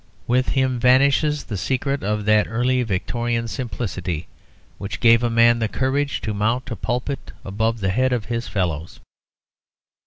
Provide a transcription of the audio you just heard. With him vanishes the secret of that early Victorian simplicity which gave a man the courage to mount a pulpit above the head of his fellows.